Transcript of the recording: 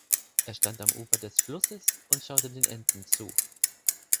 Er stand am Ufer des Flusses und schaute den Enten zu.